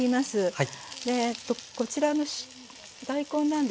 はい。